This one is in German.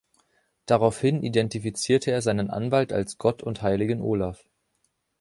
Daraufhin identifizierte er seinen Anwalt als Gott und Heiligen Olaf.